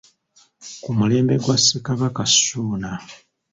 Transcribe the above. Ku mulembe gwa Ssekabaka Ssuuna.